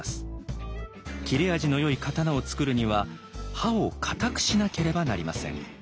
切れ味のよい刀を作るには刃を硬くしなければなりません。